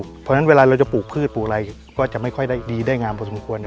เพราะฉะนั้นเวลาเราจะปลูกพืชปลูกอะไรก็จะไม่ค่อยได้ดีได้งามพอสมควร